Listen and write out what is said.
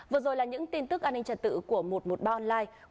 vừa rồi là những tin tức an ninh trật tự của một trăm một mươi ba online